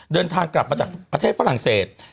เดินทางกลับมาจากประเทศฝรั่งเศส